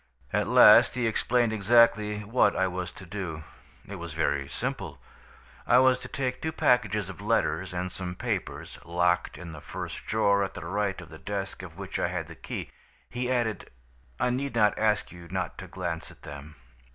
"At last he explained exactly what I was to do. It was very simple. I was to take two packages of letters and some papers, locked in the first drawer at the right of the desk of which I had the key. He added: "'I need not ask you not to glance at them.'